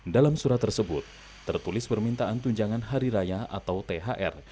dalam surat tersebut tertulis permintaan tunjangan hari raya atau thr